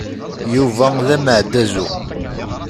Yuba d ameɛdazu.